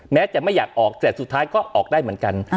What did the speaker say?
แม้จะไม่อยากออกแต่สุดท้ายก็ออกได้เหมือนกัน